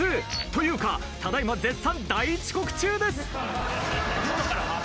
というかただ今絶賛大遅刻中です。